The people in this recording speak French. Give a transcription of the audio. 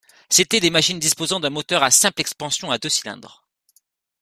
C'était des machines disposant d'un moteur à simple expansion à deux cylindres.